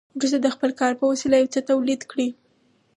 وروسته د خپل کار په وسیله یو څه تولید کړي